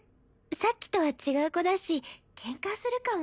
さっきとは違う子だしケンカするかも。